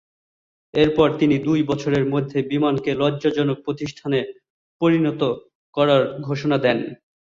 এরপর তিনি দুই বছরের মধ্যে বিমানকে লাভজনক প্রতিষ্ঠানে পরিণত করার ঘোষণা দেন।